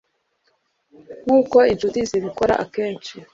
nkuko inshuti zibikora akenshi